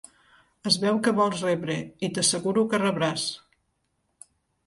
Es veu que vols rebre, i t'asseguro que rebràs!